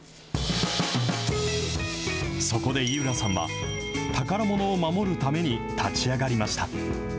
そこで井浦さんは、宝ものを守るために立ち上がりました。